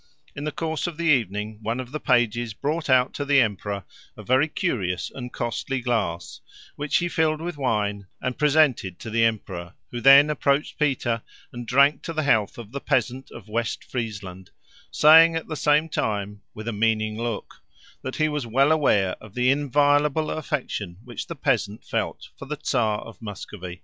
In the course of the evening one of the pages brought out to the emperor a very curious and costly glass, which he filled with wine and presented to the emperor, who then approached Peter and drank to the health of the peasant of West Friesland, saying at the same time, with a meaning look, that he was well aware of the inviolable affection which the peasant felt for the Czar of Muscovy.